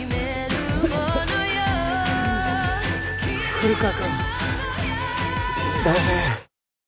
古川君だよね？